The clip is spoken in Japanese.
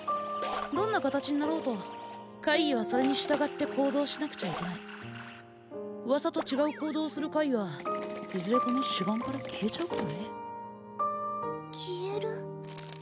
どんな形になろうと怪異はそれに従って行動しなくちゃいけない噂と違う行動をする怪異はいずれこの此岸から消えちゃうからね消える？